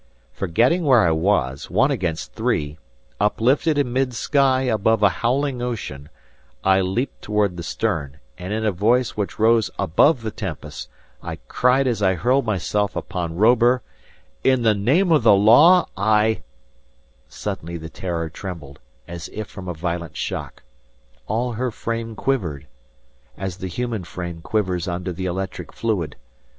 Forgetting where I was, one against three, uplifted in mid sky above a howling ocean, I leaped toward the stern, and in a voice which rose above the tempest, I cried as I hurled myself upon Robur: "In the name of the law, I—" Suddenly the "Terror" trembled as if from a violent shock. All her frame quivered, as the human frame quivers under the electric fluid.